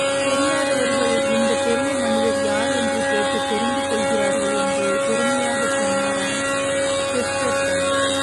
தெரியாதவர்கள் இந்தப் பெரிய மனிதர் யார் என்று கேட்டுத் தெரிந்து கொள்கிறார்கள் என்று பெருமையாகச் சொன்னாராம் செஸ்டர்டன்.